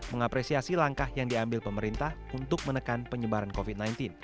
mengapresiasi langkah yang diambil pemerintah untuk menekan penyebaran covid sembilan belas